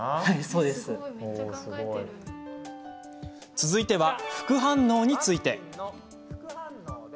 続いては副反応について。